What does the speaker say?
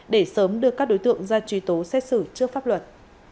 để sớm đưa các đối tượng ra truy tố xét xử trước pháp luật